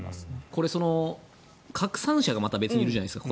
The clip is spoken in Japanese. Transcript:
これ、拡散者がまた別にいるじゃないですか。